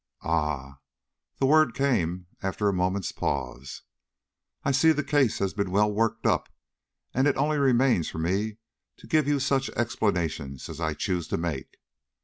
"Ah!" The word came after a moment's pause. "I see the case has been well worked up, and it only remains for me to give you such explanations as I choose to make.